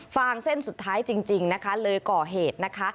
ฟางเส้นสุดท้ายจริงนะคะเลยก่อเหตุนะคะ